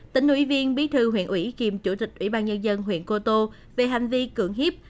tỉnh ủy viên bí thư huyện ủy kiêm chủ tịch ủy ban nhân dân huyện cô tô về hành vi cưỡng hiếp